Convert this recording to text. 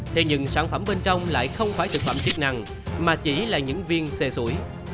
thế nhưng sản phẩm bên trong lại không phải thực phẩm chức năng mà chỉ là những viên xe sủi